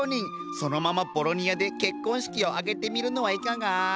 そのままボロニアで結婚式を挙げてみるのはいかが？